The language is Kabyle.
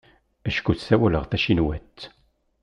Acku ssawaleɣ tacinwat.